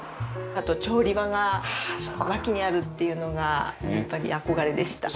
あと調理場が脇にあるっていうのがやっぱり憧れでした。